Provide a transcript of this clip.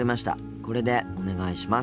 これでお願いします。